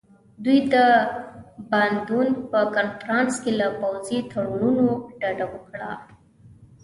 دوی د باندونک په کنفرانس کې له پوځي تړونونو ډډه وکړه.